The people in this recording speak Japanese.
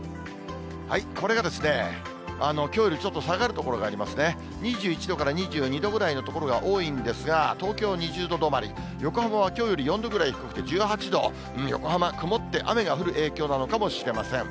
これがきょうよりちょっと下がる所がありますね、２１度から２２度ぐらいの所が多いんですが、東京２０度止まり、横浜はきょうより４度ぐらい低くて、１８度、横浜、曇って雨が降る影響なのかもしれません。